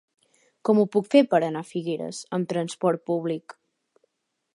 Com ho puc fer per anar a Figueres amb trasport públic?